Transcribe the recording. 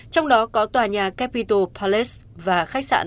trong đó có tòa nhà capital palace và khách sạn